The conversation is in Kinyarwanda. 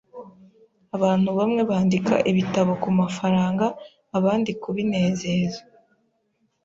Abantu bamwe bandika ibitabo kumafaranga, abandi kubinezeza.